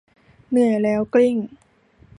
เหนื่อยแล้วกลิ้ง